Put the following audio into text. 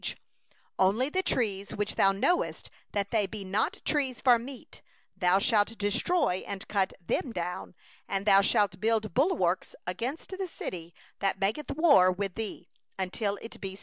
20Only the trees of which thou knowest that they are not trees for food, them thou mayest destroy and cut down, that thou mayest build bulwarks against the city that maketh war with thee, until it fall.